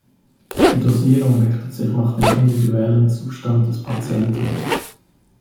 Die Dosierung richtet sich nach dem individuellen Zustand des Patienten.